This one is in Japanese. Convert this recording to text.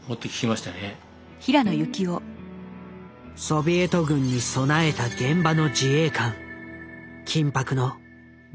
ソビエト軍に備えた現場の自衛官緊迫の１９日間。